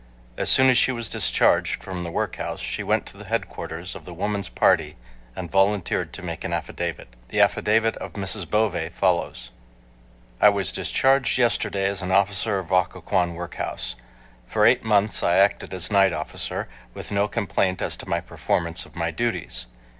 As soon as she was discharged from the workhouse she went to the headquarters of the Woman's Party and volunteered to make an affidavit. The affidavit of Mrs. Bovee follows: I was discharged yesterday as an officer of Occoquan workhouse. For eight months I acted as night officer, with no complaint as to my performance of my duties.